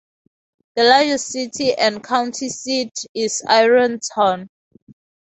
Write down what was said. The largest city and county seat is Ironton.